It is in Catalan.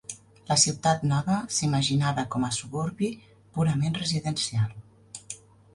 La Ciutat Nova s'imaginava com a suburbi purament residencial.